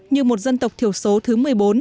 như một dân tộc thiểu số thứ một mươi bốn